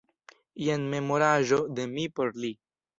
Jen memoraĵo de mi por li.